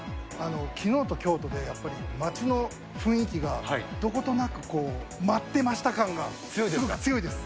きのうときょうとで、やっぱり街の雰囲気がどことなく待ってました感が強いですね。